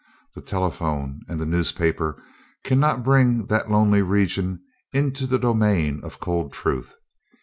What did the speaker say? The telephone and the newspaper cannot bring that lonely region into the domain of cold truth.